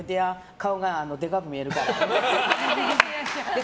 顔がでかく見えるからって。